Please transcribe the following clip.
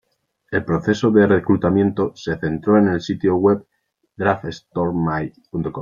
El proceso de reclutamiento se centró en el sitio web DraftStormy.com.